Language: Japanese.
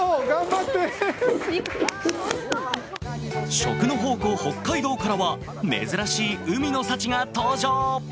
食の宝庫・北海道からは珍しい海の幸が登場。